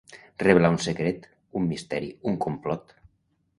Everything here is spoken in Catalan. Revelar un secret, un misteri, un complot.